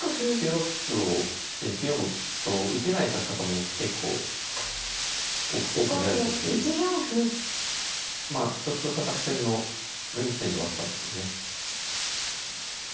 ９六歩を９四歩と受けない指し方も結構多く見られていてちょっとした作戦の分岐点ではあったんですよね。